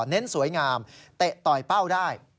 เน้นสวยงามเตะต่อยเป้าได้